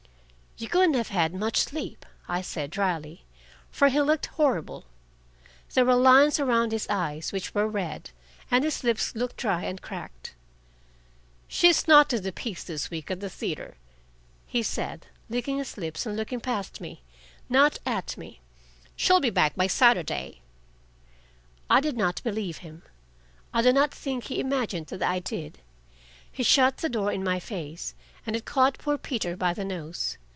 "You couldn't have had much sleep," I said dryly. For he looked horrible. There were lines around his eyes, which were red, and his lips looked dry and cracked. "She's not in the piece this week at the theater," he said, licking his lips and looking past me, not at me. "She'll be back by Saturday." I did not believe him. I do not think he imagined that I did. He shut the door in my face, and it caught poor Peter by the nose.